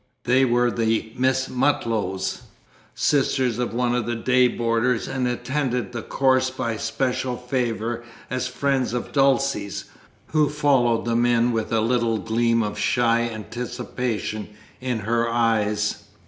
They were the Miss Mutlows, sisters of one of the day boarders, and attended the course by special favour as friends of Dulcie's, who followed them in with a little gleam of shy anticipation in her eyes.